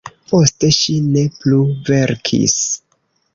Poste ŝi ne plu verkis.